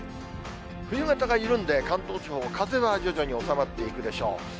冬型が緩んで、関東地方、風は徐々に収まっていくでしょう。